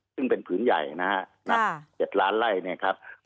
ซึ่งเป็นผืนใหญ่นะครับนับ๗ล้านไล่เนี่ยครับ